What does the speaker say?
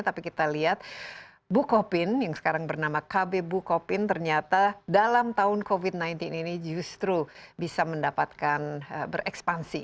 tapi kita lihat bukopin yang sekarang bernama kb bukopin ternyata dalam tahun covid sembilan belas ini justru bisa mendapatkan berekspansi